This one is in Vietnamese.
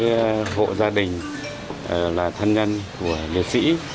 các hộ gia đình là thân nhân của liệt sĩ